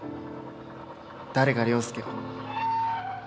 誰が椋介を？